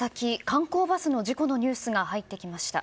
観光バスの事故のニュースが入ってきました。